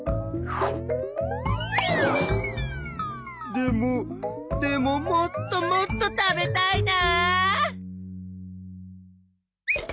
でもでももっともっと食べたいな。